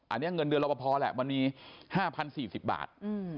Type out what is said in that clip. อันนี้เงินเดือนรอปภแหละมันมี๕๐๔๐บาท